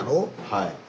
はい。